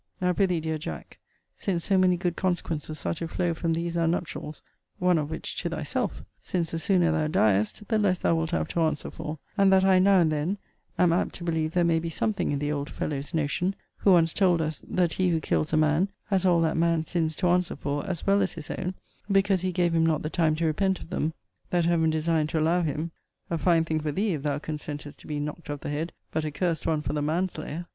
Now pr'ythee, dear Jack, since so many good consequences are to flow from these our nuptials, (one of which to thyself; since the sooner thou diest, the less thou wilt have to answer for); and that I now and then am apt to believe there may be something in the old fellow's notion, who once told us, that he who kills a man, has all that man's sins to answer for, as well as his own, because he gave him not the time to repent of them that Heaven designed to allow him, [a fine thing for thee, if thou consentest to be knocked of the head; but a cursed one for the manslayer!